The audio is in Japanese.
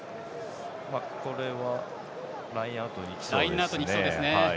これはラインアウトにいきそうですね。